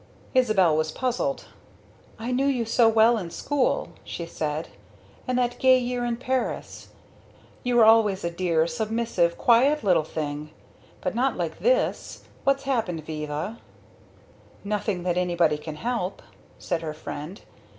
Isabel was puzzled. "I knew you so well in school," she said, "and that gay year in Paris. You were always a dear, submissive quiet little thing but not like this. What's happened Viva?" "Nothing that anybody can help," said her friend.